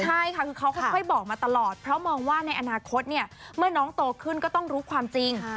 ใช่ค่ะคือเขาค่อยบอกมาตลอดเพราะมองว่าในอนาคตเนี่ยเมื่อน้องโตขึ้นก็ต้องรู้ความจริง